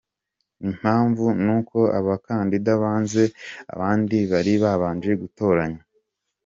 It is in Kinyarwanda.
Impamvu nuko abakandida banze abandi bari babanje gutoranywa.